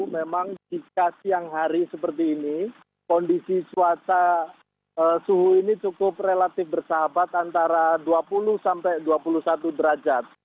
memang jika siang hari seperti ini kondisi cuaca suhu ini cukup relatif bersahabat antara dua puluh sampai dua puluh satu derajat